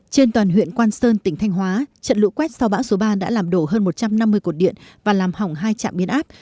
trên toàn huyện quang sơn tỉnh thanh hóa trận lũ quét sau bão số ba đã làm đổ hơn một trăm năm mươi cột điện và làm hỏng hai trạm biến áp